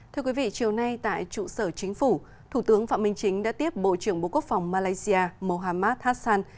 thưa quý vị chiều nay tại trụ sở chính phủ thủ tướng phạm minh chính đã tiếp bộ trưởng bộ quốc phòng malaysia mohammad hassan